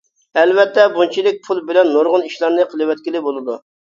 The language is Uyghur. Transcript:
ئەلۋەتتە بۇنچىلىك پۇل بىلەن نۇرغۇن ئىشلارنى قىلىۋەتكىلى بولىدۇ.